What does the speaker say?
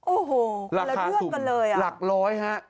โอ้โหละเลือดกันเลยอ่ะรักร้อยฮะ